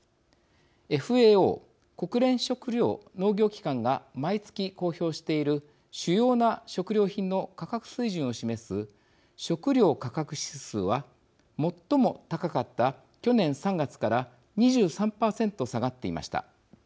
ＦＡＯ国連食糧農業機関が毎月公表している主要な食料品の価格水準を示す食料価格指数は最も高かった去年３月から２３％下がっていました。